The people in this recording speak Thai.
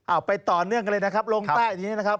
ไปต่อเนื่องกันเลยนะครับลงใต้นี้นะครับ